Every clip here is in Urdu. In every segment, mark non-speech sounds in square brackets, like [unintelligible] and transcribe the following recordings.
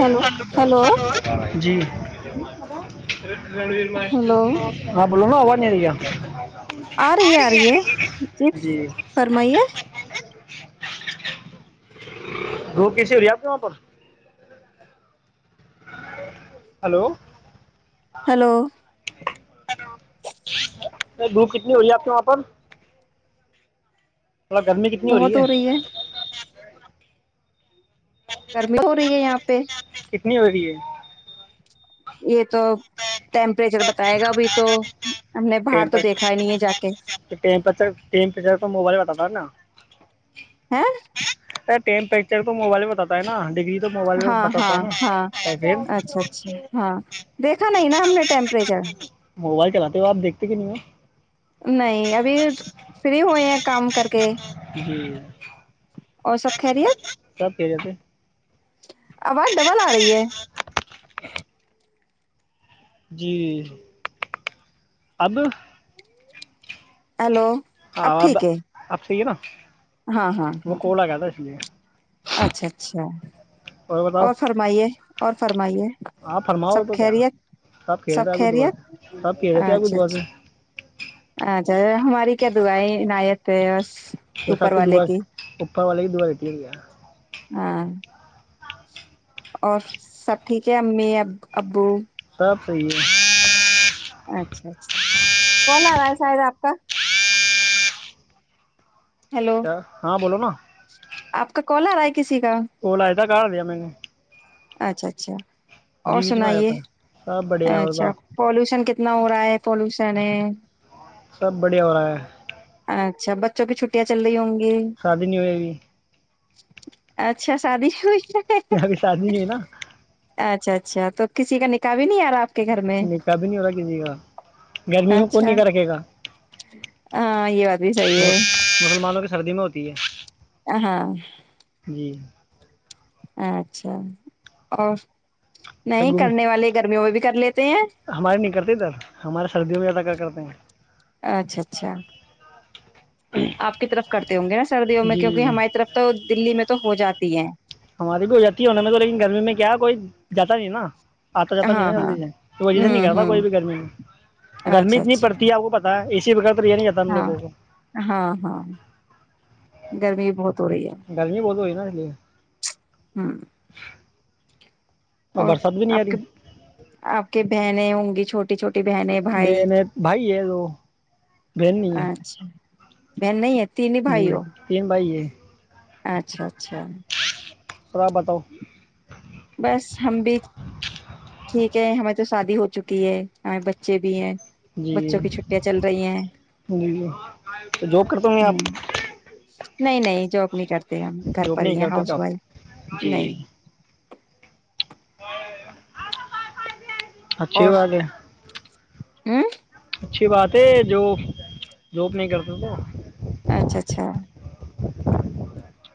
ہیلو ہیلو جی ہلو ریر معشپ ہیلو بول نا ہووا نہیں رہیا آ رہی ہے آ رہی ہے فرمائیے وہ کیسی ہو رہی ہے آپ کے وہاں پر ہلو ہلو نہیں دھوپ کتنی ہوئی ہے آپ کے وہاں پر مطب گرمی کتنی ہو رہی ہے گرمی ہو رہی ہے یہاں پہ پ کتنی بی ہے یہ تو ٹیمپریچر بتائے گا ابھی تو ہم نے باہر تو ٹیمپر دیکھا ہی نہیں ہے جا کے ب نا ہاں سر مپریچر تو موبائل میں بتتا ہے نا ڈگری تو موبائل میں ہاں بتاتا ہاں ہے نا ہاں تو پھر اچھا اچھا ہاں دیکھا نہیں نا ہم نے ٹیمپریچر موبائل چلاتے ہو آپ دیکھتے کہ نہیں ہو نہیں ابھی فری ہوئے ہیں کام کر کے جی اور سب کھہ رہی آپ کی جاتے آواز ڈبل آ رہی ہے [inaudible] جی اب ہیلو ہاں اب آ ٹھیک ہے آپ چیے نا ہاں ہاں وہ ہاں کو ل گا تھا اس لیے اچھا اچھا اور فرمائیے اور فرمائیے آپ فرماؤ سب تو کیا خیریت سب ک جتے اگ دبا سے سب ک جتے اگھی اچھا دبا سے اچھا اچھا ہماری کیا دعائیں عناایت ہے بس پ اوپر سات والے دا کی پپر والا ہی دو رٹی ہو گیا ہاں اور سب ٹھیک ہے امی اب ابو ک رہے اچھا اچھا کون آ رہا ہے شاید آپ کا کیا ہاں بولو نا آ کا کالر آئے گا کسی کا ا ک دیا میں نے اچھا اچھا اور بیچ میں آ سنائیے جاتا ہے سب بڑھیا ہو اچھا رہا پالوشن کتنا ن ہوورا ہے پولوشن ہے سب بڑھیا ہو رہا ہے اچھا بچوں کی چھٹیاں چل رہی ہوں گی شادی نہیں ہو ا بھی اچھا شادی ہوئی میں اب بھی شادی نہیں ہوئی نا اچھا اچھا تو کسی کا نکح بھی نہیں ارا آپ کے گھر میں نکا بھی نہیں ہوا کی جیے گا گرمی میں کون اچھا نکا رکھے گا ہاں یہ بھی صحیح ہے مسلمانوں کے سردی میں ہوتی ہے ا ہاں جی اچھا اور نہیں گم کرنے والے گرمیوں میں بھی کر لی [inaudible] ہمارے نہیں کرتے سر ہمارے سردیوں میں زیادہ کر کرتے ہیں اچھا اچھا آپ کی طرف کرتے ہوں گے نا سردیوں میں کیونکہ جی ہماری طرف تو دلی میں تو ہو جاتی ہے ہماری بھی ہو جاتی ہے تو لیکن گرمی میں کیا کوئی جاتا نہیں نا آتا جاتا نہیں ہاں نا ہاں جلدی سے تو وجہ سے نہیں ہوں کرتا کوئی ہوں بھی گرمی گرمی اچھا اتنی اچھا پڑتی ہے آپ کو پتا ہے اس سی ب ہاں ہاں ہاں گرمی بہت ہو رہی ہے گرمی بہت ہوئی نا اے ہوں اور برسات بھی نہیں آ آپ کے رہی آپ کے بہنیں ہوں گی چھوٹی چھوٹی بہنیں ب بھائی نے بھائی ہے تو بہن نہیں ہے ب نہیں ہے تین جی بھائیو تین بھائی ہے اچھا اچھا را بتاؤ بس ہم بھی ٹھیک ہے ہمیں تو شادی ہو چکی ہے ہمیں بچے بھی ہیں جی بچوں کی چھٹیاں چل رہی ہیں جی تو جو کرتا میں آپ ہوں نہیں نہیں جوک نہیں کرتا گھر جاب پر نہیں ہی ہیں کرتے تو ہاؤس آپ وائف نہیں ا [unintelligible] اچھی بات ہے اوں اچھی بات ہے جو جاب نہیں کرتا تھا اچھا اچھا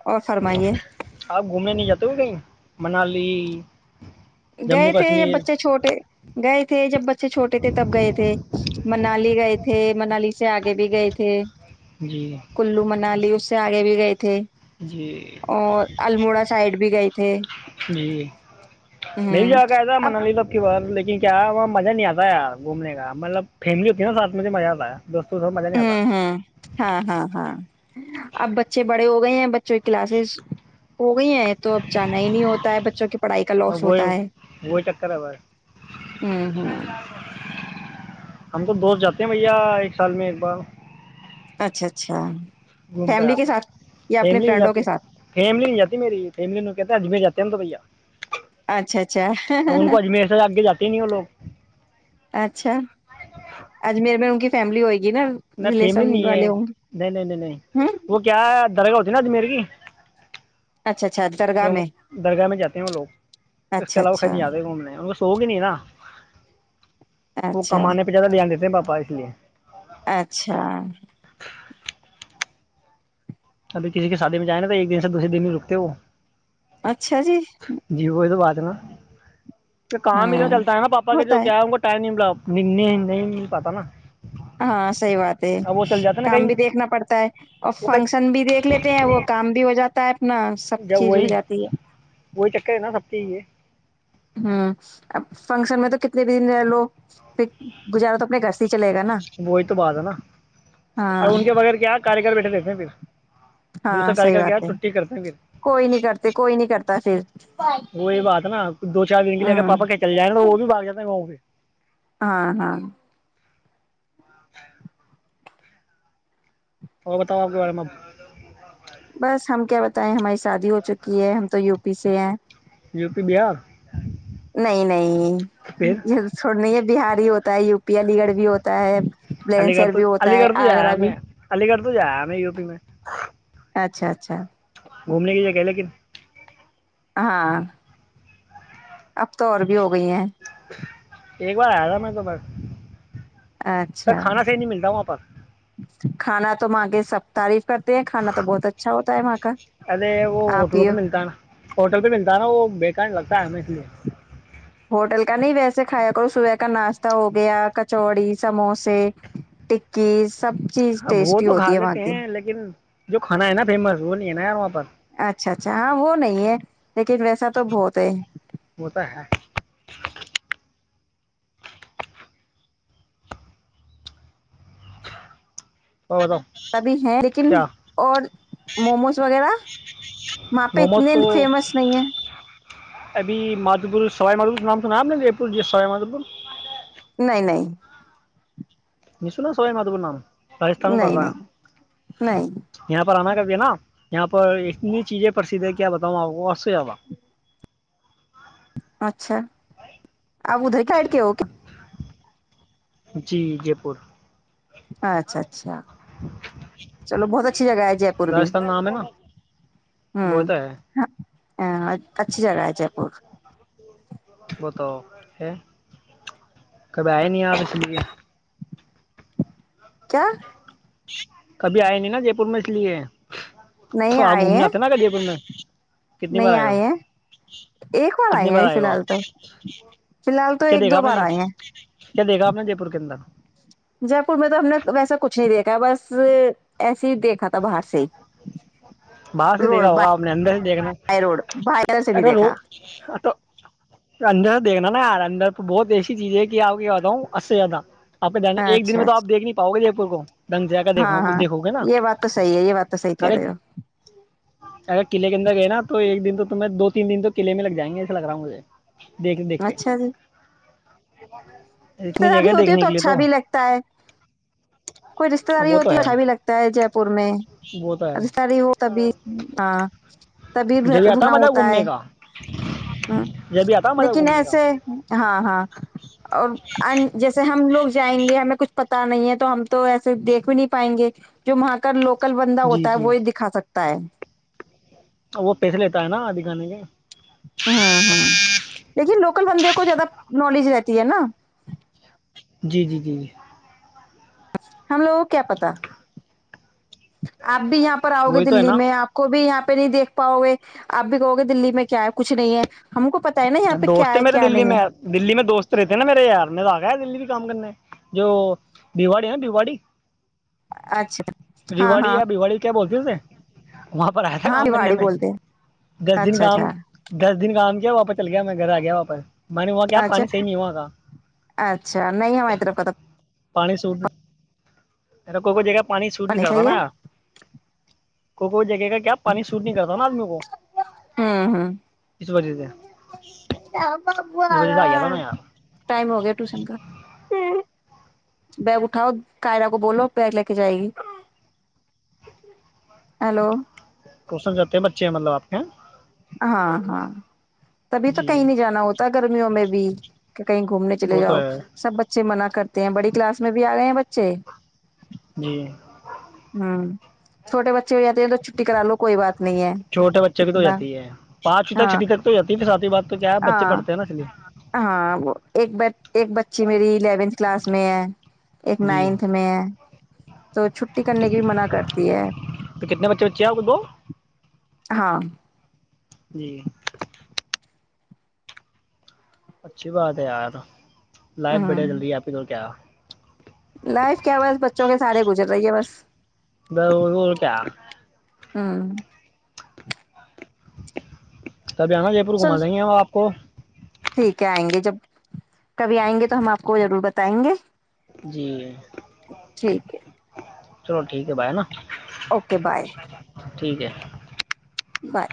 اور فرمائیے آپ گھومنے نہیں جاتے ہو کہیں منالی جموں گئے تھے یا کشمیر بچے چھوٹے گئے تھے جب بچے چھوٹے تھے تب گئے تھے منالی گئے تھے منالی سے آگے بھی گئے تھے جی کلو منالی اس سے آگے بھی گئی تھ جی اور الموڑا سائڈ بھی گئے تھے ہ میل ج آگ ہےا اب من ل لو کی لیکن کیا وہاں مزہ نہیں آتا ہے یار گھومنے کا مطلب فیملی ہوتی ہے نا ساتھ مجھے مزہ آتا ہے دوستوں کے ساتھ مزہ نہیں ہ آتا ہوں ہاں ہاں ہاں اب بچے بڑے ہوگ گئے ہیں بچوں کی کلاسز ہو گئی ہیں تو اب جانا ہی نہیں ہوتا ہے بچوں کے پڑھائی کا لوس وہی ہوتا ہے وہی چکر ہے بس ہ ہوں ہم تو دوست جاتے ہیں بھیا ایک سال میں ایک بار اچھا اچھا گھوم کر فیملی کے آتا ہوں ساتھ یا اپنے فیملی نہیں فرینڈوں جاتی کے ساتھ فیملی نہیں جاتی میری فیملی کہتے اجم جاتا دند بھیا اچھا اچھا اب ان کو اجمیر سے آگے جاتے ہی نہیں وہ لوگ اچھا اجمیر میں ان کی فیملی ہوئےی میں فیملی نہیں ہے نہیں نہیں نہیں نہیں گے ہ وہ کیا ہے درگاہ جناد میر کی اچھا اچھا ج درگاہ میں درگاہ میں جاتے ہیں وہ لوگ اس کے اچھا علاوہ وہ اچھا کیں آتے گھومنے تووگ نہیں نا وہ اچھا کمانے پہ زیادہ لے دیتے اے باپا اس لی اچھا ابھی کسی کی شادی میں جائیں نا تو ایک دن سے دوسے دن بھی رکتے وہ اچھا جی بات اتنا تو کام ہاں اتنا چلتا ہے نا پا کے جو کیا ہے ان کو ٹائم نہیں ملا لنے نہیں م پتا نا ہاں صحیح بات ہے اب وہ چل جاتے نا کام کہیں بھی دیکھنا پڑتا ہے اور وہ کہیں فنکشن بھی دیکھ لیتے ہیں وہ کام بھی ہو جاتا ہے نہ سب جب چیز ہو وہی جاتی ہے وہی چکر ہے نا سب چ یہ ہوں اب فنکشن میں تو کتنے بھی دن رہ لو پھر گزارا تو اپنے گھر سے ہی چلے گا نا وہی تو بات ہے نا ہاں اور ان کے بغیر کیا کاراری کر بیٹھے رہتے ہیں پھر دوسرا ہاں صحیح کاریگر کے بات ہے چھٹی کرتے ہیں کوئی پھر نہیں کرتے کوئی نہیں کرتا پھر وہی بات نا دو چار دن کے لیے اگر ہوں پاپا کہ چل جائے نا تو وہ بھی باگ جات ہے وہاؤ پہ ہاں ہاں اور بتاؤ آپ کے بارے میں اب بس ہم کیا بتائیں ہماری شادی ہو چکی ہے ہم تو و پی سے ج [unintelligible] یو پی بہار نہیں نہیں پھر یہ تھوڑ نہیں ہے بہار بھی ہوتا ہے یو پی علی گڑھ بھی ہوتا ہے علی گڑھ بلینسر تو بھی علی ہوتا ہے گڑھ تو جیا آگرہ بھی ہمیں علی گڑھ تو جایا ہم یو پی میں اچھا اچھا گھومنے کی لیے کہ لیکن ہاں اب تو اور بھی ہو گئی ہیں ایک بار آیاا میں تو پس ت اچھا کھانا صحیح نہیں ملتا وہاں پر کھانا تو مانگ سپتاری ارے وہ آپ ہوٹلوں یہ پہ ملتا ہے نا ہوٹل پہ ملتا ہے نا وہ بےیکارن لگتا ہے میں اس لی ہوٹل کا نہیں ویسے کھایا کرو صبح کا ناشتہ ہو گیا کچوڑی سموسے ٹکی سب چیز اب وہ ٹیسٹی تو ہوتی کھا ہے وہاں لیتے کی ہیں لیکن جو کانا ہے نا فیمس وہ ل ہے نا یار وہاں پر اچھا اچھا ہاں وہ نہیں ہے لیکن ویسا تو بہت ہے وہ تو ہے اور بتاؤ سبھی ہیں لیکن کیا اور موموز وغیرہ وہاں پہ موموز اتنے تو فیمس نہیں ہیں ابھی مادوپور سوائی مادھور نام سنا آپ نےا جے پور جی سوائی مادوپور نہیں نہیں نشوناا سبائ مادور نام راجستھان کا نہیں تھا نہیں نہیں یہاں پر آنا کا نا یہاں پر اتنی چیزیں پرسھ ہے کیا بتاؤں آپ کو اور سے زیادہ اچھا آپ ادھر کاٹ کے ہو کیا جی جے پور اچھا اچھا چلو بہت اچھی جگہ ہے جے پور بھی راجستھان نام ہے نا ہ وہ تو ہے ہ ہاں اچھی جگہ ہے جے پور وہ تو ہے کبھی آئے نہیں آپ اس لیے کیا کبھی آئے نہیں نا جے پور میں اس لیے نہیں تو آ آئے ہیں گومنے تھا نا کا جے پور میں کتنی بار نہیں آئے ہو ہیں ایک کتنی ہیں بار ابھی آئے فی ہو الحال آپ تو فی الحال تو کیا ایک دیکھا دو آپ نے بار آئے ہیں کیا دیکھا آپ نے جے پور کے اندر جے پور میں تو ہم نے ویسا کچھ نہیں دیکھا بس ایسے ہی دیکھا تھا باہر سے ہی باہر سے روڈ دیکھا ہوگا آپ نے اندر سے دیکھنا بائی روڈ باہر سے نہیں اگر دیکھا تو اندر دیکھنا نا ار اندر بہت ایسی چیزیں ہے کہ آ کے بتاؤں اس سے زیادہ آپ د ایک دن اچھا میں اچھا توپیکھ نہیں پاؤ گے یہ کو دنگ جاا دیکھ ہاں ہاں دیکھو گے نا یہ بات تو صحیح یہ بات تو سی کہہ رہے ہو قلے اندر گئے نا تو ایک دن تو میں د دو تین دن تو قلے لگ جائیں گے ایسا ل رہا ہوں مھے دیکھتے ہو دیکھتے ج ب ح ساداری ہوتی ہے تو اچھا بھی لگتا ہے کوئی رشتے داری وہ تو ہوتی ہے اچھا بھی لگتا ہے جے پور میں وہ تو ہے ہو تبھی ہاں تبھی جبھی آتا رنا مزہ ہوتا ہے گھومنے کا ہ جبھی آتا مزہ لیکن گھومنے کا ایسے ہاں ہاں اور جیسے ہم لوگ جائیں گے ہمیں کچھ پتا نہیں ہے تو ہم تو ایسے دیکھ بھی نہیں پائیں گے جو وہاں کر لوگ کل بندہ جی ہوتا ہے جی وہی دکھا سکتا تیں وہ پیسے لیتا ہے نا دکھانے کے ہ ہوں لیکن لوکل بندے کو زیادہ نالج رہتی ہے نا جی جی جی جی ہم لوگوں کو کیا پتا آپ بھی یہاں پر آؤ گے وہی تو ہے دلی نا میں آپ کو بھی یہاں پہ پہ نہیں دھ پاؤ گے آپ بھی کہو گے دلی میں کیا ہے کچھ نہیں ہے ہم کو پتا ہے نا یہاں پہ کیا دوست ہے میرے کیا دلی نہیں میں ہے دلی میں دوست رہتے نا میرے یار نے داگا ہے دلی کام کرنا ہے جو دیواڑی ہے نا بیواڑی اچھا ہاں ریوڑی ہاں یا بوڑی کیا بولتیسے وہاں پر آیا تھا ہاں کام کرنے بھاڑی میں بولتے دس ہیں دن اچھا کام اچھا دس دن کام کیا واپس چل گیا میں گھر آ گیا واپس میں نے وہاں کیا اچھا پانی صحیح نہیں وہاں کا اچھا نہیں ہماری طرف پ پانی سوٹ کوئی کوئی جگہ پانی سوٹ نہیں کرتا صحیح نا ہے کو کو ج کا کیا پانی سوٹ نہیں کرتا نا آدمی کو اس وجہ سے بابو اس آ وجہ سے گیا تھا نا یار ٹائم ہو گیا ٹوشن کا بیگ اٹھاؤ کائرہ کو بولو بیگ لے کے جائے گی ہیلو تو سن جاتے ہیں بچے ہیں مطلب آپ کے یہاں ہاں ہاں تبھی تو جی کہیں نہیں جانا ہوتا گرمیوں میں بھی کہیں گھومنے چلے وہ تو جاؤ ہے سب بچے منا کر کرتے ہیں بڑی کلاس میں بھی آ گئے ہیں بچے جی ہوں چھوٹے بچے اے ہو جاتے ہیں تو چھٹی کرا لو کوئی بات نہیں ہے چھوٹے بچے کی تو ہو اتنا جاتی ہے پانچویں تک ہاں چھٹی تک تو ہو جاتی ہے پھر ساتویں بات تو کیا ہے بچے ہاں پڑھتے ہیں نا اس لیے ہاں ایک ایک بچی میری الیونتھ کلاس میں ہے ایک جی نائنتھ میں ہے تو چھٹی کرنے کی بھی منع کرتی ہے تو کتنے بچے بچے ہیں آپ کو دو ہاں جی اچھی بات ہے یار لائف ہ بڑھیا چل رہی ہے آپ کی تو کیا لائف کیا بس بچوں کے سارے گزر رہی ہے بس وہ کیا ہاں کبھی نا جے پور گھما چل دیں گے ہم آپ کو ٹھیک ہے آئیں گے جب کبھی آئیں گے تو ہم آپ کو ضرور بتائیں گے جی ٹھیک ہے چلو ٹھیک ہے بائی ہےا اوکے بائے ٹھیک ہے بائے